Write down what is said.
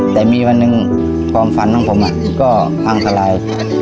แต่มีวันหนึ่งความฝันของผมก็พังทลาย